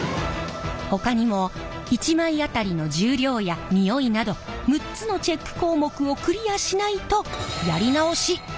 ほかにも１枚当たりの重量や匂いなど６つのチェック項目をクリアしないとやり直しになってしまいます。